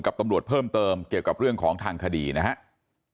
กับตำรวจเพิ่มเติมเกี่ยวกับเรื่องของทางคดีนะครับ